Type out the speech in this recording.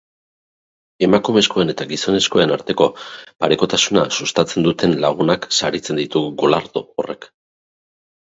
Emakumezkoen eta gizonezkoen arteko parekotasuna sustatzen duten lagunak saritzen ditu golardo horrek.